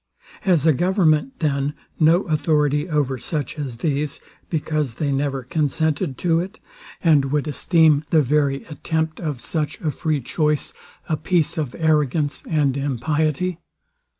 Has a government, then, no authority over such as these, because they never consented to it, and would esteem the very attempt of such a free choice a piece of arrogance and impiety?